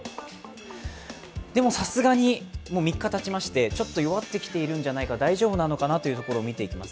でも、さすがに３日たちましてちょっと弱ってきているんじゃないか大丈夫なのかなというところを見ていきます。